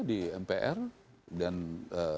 dan saya rasa itu